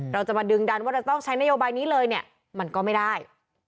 เราจะมาดึงดันว่าเราต้องใช้นโยบายนี้เลยเนี่ยมันก็ไม่ได้